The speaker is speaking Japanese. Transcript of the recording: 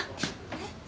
えっ？